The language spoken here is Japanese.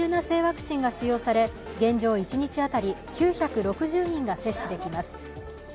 製ワクチンが使用され、現状一日当たり９６０人が接種できます